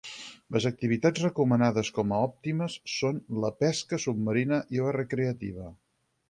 Les activitats recomanades com a òptimes són la pesca submarina i la recreativa.